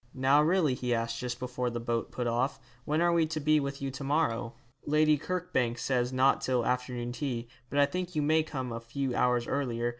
'Now really,' he asked, just before the boat put off, 'when are we to be with you to morrow?' 'Lady Kirkbank says not till afternoon tea, but I think you may come a few hours earlier.